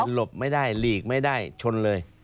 หลบไม่ได้หลีกไม่ได้ชนเลย